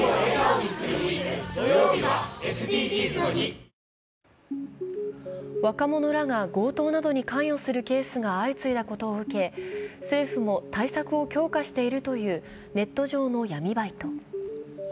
政府を挙げて闇バイト情報の取り締まり強化を掲げましたが若者らが強盗などに関与するケースが相次いだことを受け、政府も対策を強化しているというネット上の闇バイト。